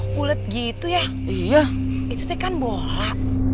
kulit gitu ya iya itu tekan bola